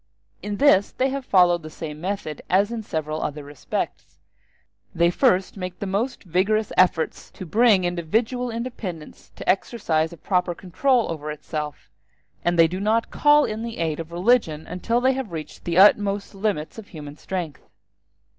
In this they have followed the same method as in several other respects; they first make the most vigorous efforts to bring individual independence to exercise a proper control over itself, and they do not call in the aid of religion until they have reached the utmost limits of human strength.